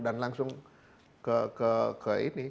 dan langsung ke ini